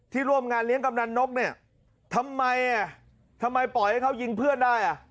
ร่วมงานเลี้ยงกำนันนกเนี่ยทำไมอ่ะทำไมทำไมปล่อยให้เขายิงเพื่อนได้อ่ะ